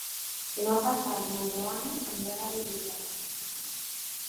Demà passat na Joana anirà a la biblioteca.